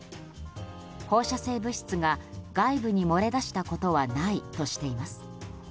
放射性物質が外部に漏れ出したことはないとしています。